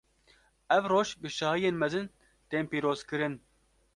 Ev roj, bi şahiyên mezin tên pîrozkirin.